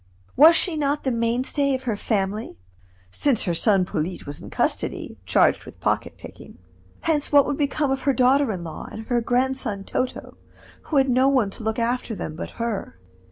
Was she not the mainstay of her family (since her son Polyte was in custody, charged with pocket picking), hence what would become of her daughter in law, and of her grandson Toto, who had no one to look after them but her?